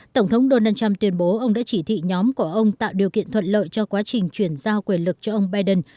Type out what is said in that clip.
tổng thống donald trump tuyên bố ông đã chỉ thị nhóm của ông tạo điều kiện thuận lợi cho quá trình chuyển giao quyền lực cho ông biden